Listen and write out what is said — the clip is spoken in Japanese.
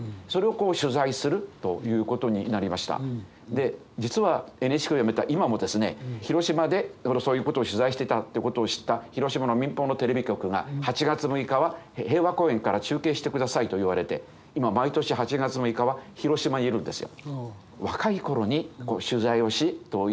で実はＮＨＫをやめた今もですね広島でそういうことを取材してたっていうことを知った広島の民放のテレビ局が８月６日は平和公園から中継して下さいと言われて今毎年８月６日は広島にいるんですよ。